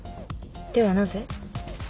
ではなぜ？